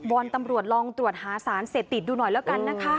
อนตำรวจลองตรวจหาสารเสพติดดูหน่อยแล้วกันนะคะ